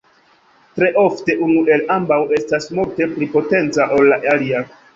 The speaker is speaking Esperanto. Tre ofte unu el ambaŭ estas multe pli potenca, ol la alia.